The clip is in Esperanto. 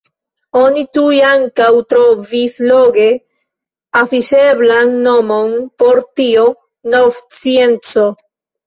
Oni tuj ankaŭ trovis loge afiŝeblan nomon por tio: nov-scienco.